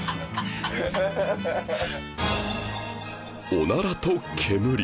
おならと煙